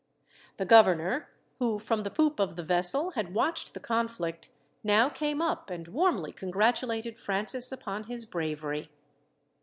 The governor, who from the poop of the vessel had watched the conflict, now came up, and warmly congratulated Francis upon his bravery.